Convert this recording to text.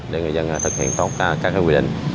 để người dân thực hiện tốt các quy định